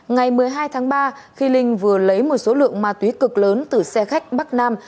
ngày một mươi hai tháng ba khi linh vừa lấy một số lượng ma túy cực lớn từ xe khách bắc nam